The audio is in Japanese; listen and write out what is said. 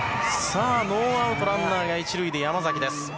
ノーアウト、ランナーが１塁で山崎です。